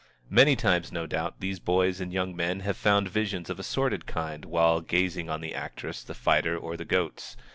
Many times, no doubt, these boys and young men have found visions of a sordid kind while gazing on the actress, the fighter, or the goats.